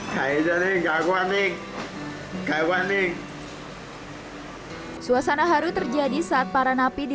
hai hai jenis gak kuanik kawan nih hai suasana haru terjadi saat para napi di